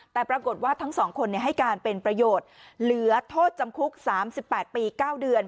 แต่ปรากฏว่าทั้งสองคนให้การเป็นประโยชน์เหลือโทษจำคุก๓๘ปี๙เดือน